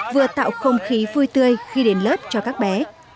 vừa tạo không khí vui tươi khi đến lớp cho các bé